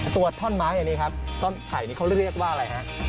ตัวท่อนไม้อันนี้ครับท่อนไผ่นี้เขาเรียกว่าอะไรฮะ